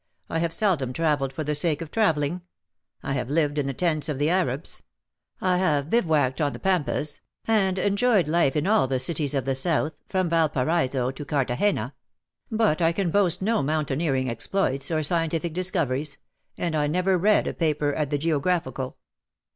I have seldom travelled for the sake of travelling. I have lived in the tents of the Arabs. I have bivouacked on the Pampas — and enjoyed life in all the cities of the South, from 115 Yalparaiso to Carthagena ; but I cau boast no mountaineering exploits or scientific discoveries — and I never read a paper at the Geograpbical.